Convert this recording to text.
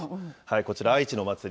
こちら、愛知のお祭り。